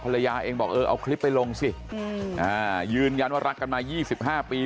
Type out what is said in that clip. ภรรยาเองบอกเออเอาคลิปไปลงสิอ่ายืนยันว่ารักกันมา๒๕ปี